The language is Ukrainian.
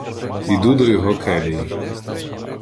Іду до його келії.